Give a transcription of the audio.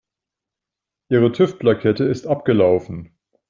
Ihre TÜV-Plakette ist abgelaufen.